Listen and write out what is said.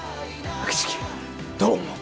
秋月どう思う？